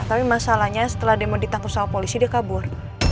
tapi masalahnya setelah demo ditangkap sama polisi dia kabur